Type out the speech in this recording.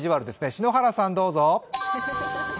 篠原さん、どうぞ。